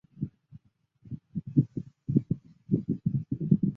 披风男穿着有蝙蝠能力特殊强化服的变身。